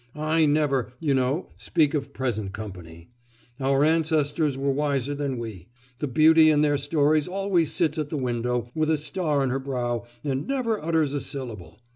I never, you know, speak of present company. Our ancestors were wiser than we. The beauty in their stories always sits at the window with a star on her brow and never utters a syllable.